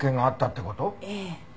ええ。